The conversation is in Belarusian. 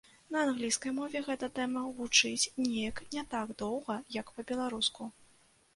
На англійскай мове гэта тэма гучыць неяк не так доўга, як па-беларуску.